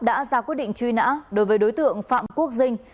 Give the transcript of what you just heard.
đã ra quyết định truy nã đối với đối tượng phạm quốc dinh